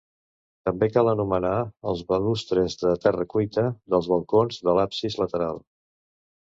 També cal anomenar els balustres de terra cuita dels balcons de l'absis lateral.